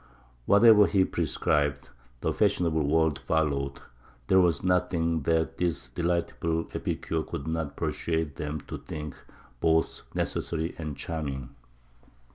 Whatever he prescribed, the fashionable world followed; there was nothing that this delightful epicure could not persuade them to think both necessary and charming.